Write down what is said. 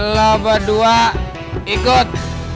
lo berdua ikut